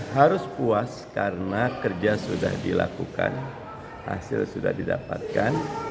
harus puas karena kerja sudah dilakukan hasil sudah didapatkan